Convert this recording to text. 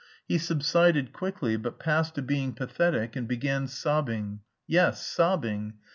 He subsided quickly, but passed to being pathetic and began sobbing (yes, sobbing!)